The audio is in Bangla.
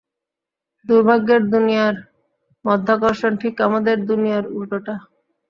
দুর্ভাগ্যের দুনিয়ার মাধ্যাকর্ষণ ঠিক আমাদের দুনিয়ার উল্টোটা।